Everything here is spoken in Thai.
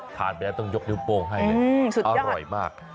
ทานไปแล้วต้องยกนิ้วโป้งให้อร่อยมาก